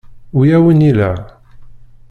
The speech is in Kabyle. Wi awen-illa?